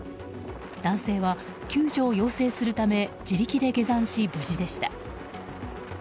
男性は救助を要請するため自力で下山し、無事でした。